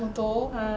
うん。